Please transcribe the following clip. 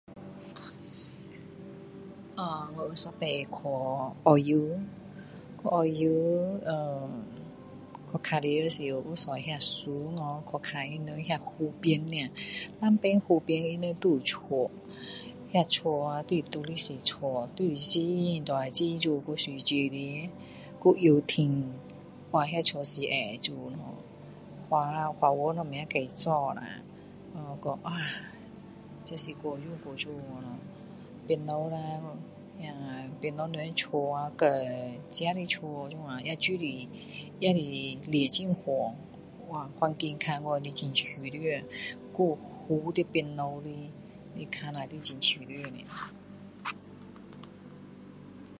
呃我有一次去澳洲去澳洲呃去玩时有坐那船哦去看他们那湖北的啊两边湖北他们都有家那些家啊都是独立式家都是很大很美有游泳池有游艇哇那家是会美咯花花园什么再做下呃哇这是太美太美了哦旁边那那旁边人家啊和自己的家也是就是也是离很远哇环境看过去很舒服还有湖在旁边的你看了就是很舒服的